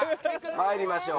参りましょう。